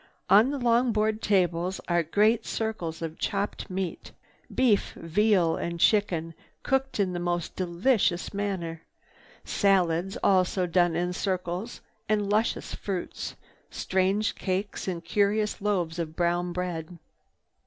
On the long board tables are great circles of chopped meat—beef, veal and chicken cooked in the most delicious manner. Salads, also done in circles, and luscious fruits, strange cakes and curious loaves of brown bread.